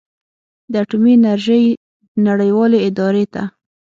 د اټومي انرژۍ نړیوالې ادارې ته